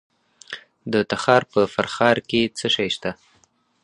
د تخار په فرخار کې څه شی شته؟